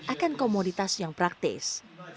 akan komoditas yang praktis